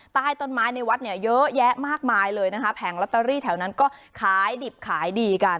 ใต้ต้นไม้ในวัดเนี่ยเยอะแยะมากมายเลยนะคะแผงลอตเตอรี่แถวนั้นก็ขายดิบขายดีกัน